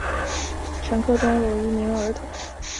乘客中有一名儿童。